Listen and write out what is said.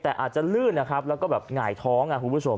แต่อาจจะลื่นนะครับแล้วก็แบบหงายท้อง